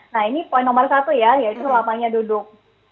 nah ini poin nomor satu ya yaitu lamanya duduk